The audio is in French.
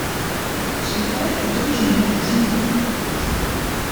Son père est originaire de Trinidad.